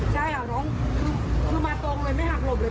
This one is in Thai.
ใช่อะน้องคือมาตรงเลยไม่หักหลบเลยตรงเลย